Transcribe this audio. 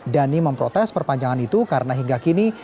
dhani memprotes perpanjangan itu karena hingga kini